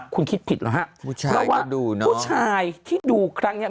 คุณคิดผิดหรอฮะเพราะว่าผู้ชายที่ดูครั้งเนี้ย